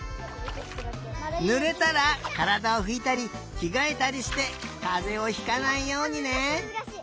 ぬれたらからだをふいたりきがえたりしてかぜをひかないようにね！